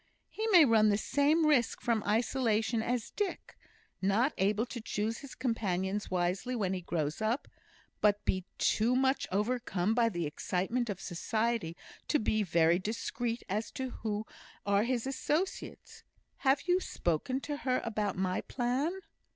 He may run the same risk from isolation as Dick: not be able to choose his companions wisely when he grows up, but be too much overcome by the excitement of society to be very discreet as to who are his associates. Have you spoken to her about my plan?"